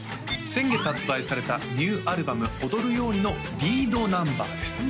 先月発売されたニューアルバム「踊る様に」のリードナンバーです